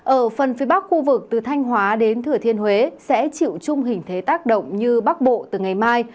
ở phần phía bắc khu vực từ thanh hóa đến thừa thiên huế sẽ chịu chung hình thế tác động như bắc bộ từ ngày mai